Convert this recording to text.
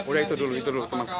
udah itu dulu